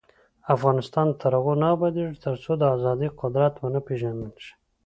افغانستان تر هغو نه ابادیږي، ترڅو د ازادۍ قدر ونه پیژندل شي.